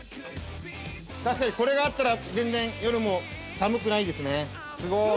◆確かに、これがあったら、全然、夜も寒くないですね。